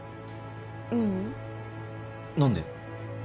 ううん何で？